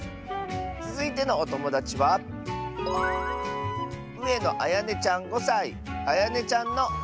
つづいてのおともだちはあやねちゃんの。